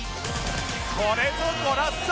これぞゴラッソ！